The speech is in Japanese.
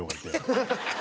ハハハハ！